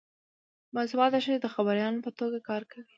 باسواده ښځې د خبریالانو په توګه کار کوي.